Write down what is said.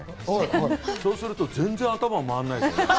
そうすると全然頭が回んないんですよね。